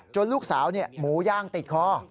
จนลูกสาวเนี่ยหมูย่างติดคอ